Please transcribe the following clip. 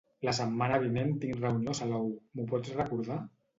La setmana vinent tinc reunió a Salou, m'ho pots recordar?